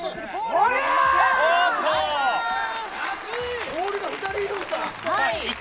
ボールが２人いるんか。